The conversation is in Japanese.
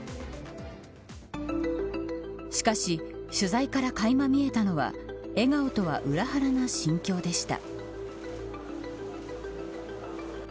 しかし取材から、かいま見えたのは笑顔とは裏腹な心境でした。